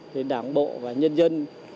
thì đảng bộ và nhân dân